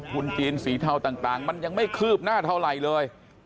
ทุนจีนสีเทาต่างมันยังไม่คืบหน้าเท่าไหร่เลย